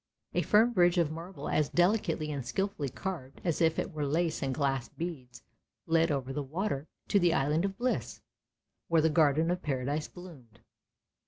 A firm bridge of marble as delicately and skil fully carved as if it were lace and glass beads led over the water to the Island of Bliss, where the Garden of Paradise bloomed.